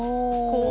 こう。